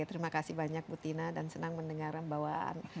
terima kasih banyak bu tina dan senang mendengar bahwa